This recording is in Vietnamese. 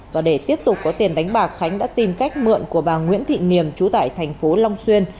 và để tiếp tục có tiền đánh bạc khánh đã tìm cách mượn của bà nguyễn thị niềm trú tại thành phố long xuyên